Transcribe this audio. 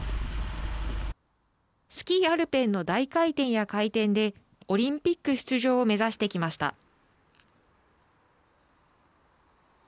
スキー・アルペンの大回転や回転でオリンピック出場を目指してきました。